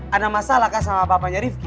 ada masalah kan sama bapaknya rifqi